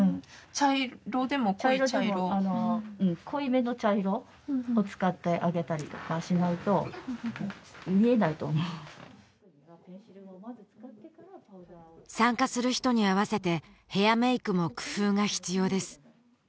茶色でも濃いめの茶色を使ってあげたりしないと見えないと思う参加する人に合わせてヘアメイクも工夫が必要です